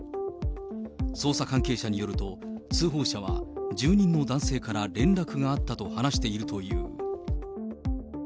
捜査関係者によると、通報者は住人の男性から連絡があったと話しているという。